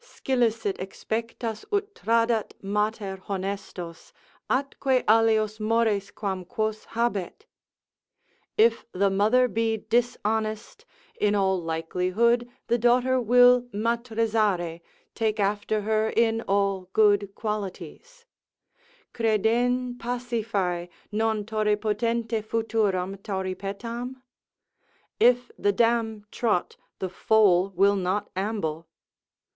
Scilicet expectas ut tradat mater honestos Atque alios mores quam quos habet? If the mother be dishonest, in all likelihood the daughter will matrizare, take after her in all good qualities, Creden' Pasiphae non tauripotente futuram Tauripetam?——— If the dam trot, the foal will not amble.